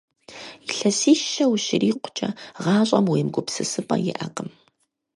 Илъэсищэ ущрикъукӀэ, гъащӀэм уемыгупсысыпӀэ иӀэкъым.